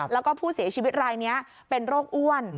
แล้วก็ผู้เสียชีวิตรายนี้เป็นโรคอ้วน